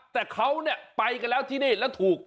แต่เขาเนี่ยไปกันแล้วที่นี่แล้วถูก